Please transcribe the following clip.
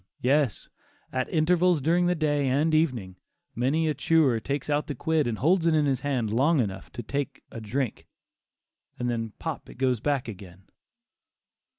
yes, at intervals during the day and evening, many a chewer takes out the quid and holds it in his hand long enough to take a drink, and then pop it goes back again.